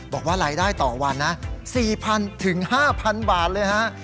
บอกว่ารายได้ต่อวันนะ๔๐๐๕๐๐บาทเลยฮะ